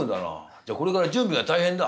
じゃあこれから準備が大変だ。